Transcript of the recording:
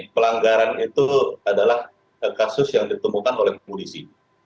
pelanggaran itu adalah kasus yang ditemukan oleh polisi